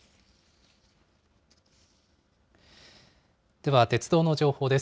では鉄道の情報です。